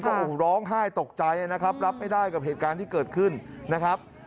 โอ้โหร้องไห้ตกใจนะครับรับไม่ได้กับเหตุการณ์ที่เกิดขึ้นนะครับ